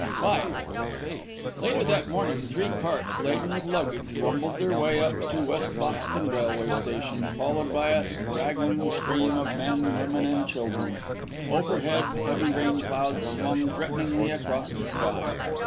V Later that morning three carts, laden with luggage, rumbled their way up to West Boxton railway station, followed by a straggling stream of men, women, and children. Overhead heavy rainclouds swung threateningly across the sky.